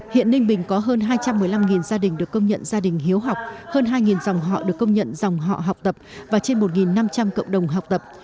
hiện ninh bình có hơn hai trăm một mươi năm gia đình được công nhận gia đình hiếu học hơn hai dòng họ được công nhận dòng họ học tập và trên một năm trăm linh cộng đồng học tập